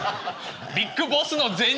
ビッグボスの前任。